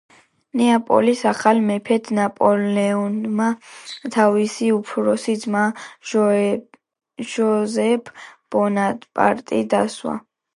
ნეაპოლის ახალ მეფედ ნაპოლეონმა თავისი უფროსი ძმა, ჟოზეფ ბონაპარტი დასვა.